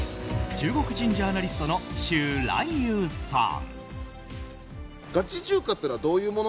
中国人ジャーナリストの周来友さん。